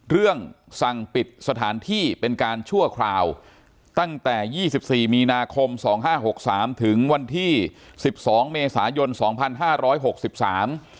เรื่องสั่งปิดสถานที่เป็นการชั่วคราวตั้งแต่ยี่สิบสี่มีนาคมสองห้าหกสามถึงวันที่สิบสองเมษายนสองพันห้าร้อยหกสิบสาม